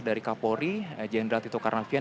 dari kapolri jenderal tito karnavian